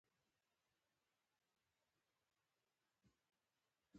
د احمد شاه بابا واکمني د افغانانو لپاره د ځواک سرچینه وه.